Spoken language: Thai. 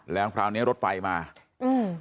แล้วคราวเนี้ยรถไฟมาอืม